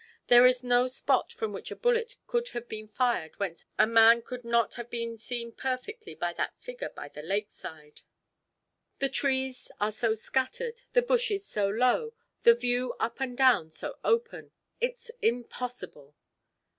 There is no spot from which a bullet could have been fired whence a man could not have been seen perfectly by that figure by the lake side. The trees are so scattered, the bushes so low, the view up and down so open. It's impossible!"